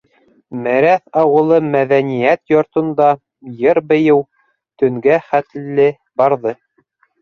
Мерәҫ ауылы мәҙәниәт йортонда йыр-бейеү төнгә хәтле барҙы.